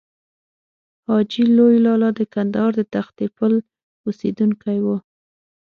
حاجي لوی لالا د کندهار د تختې پل اوسېدونکی و.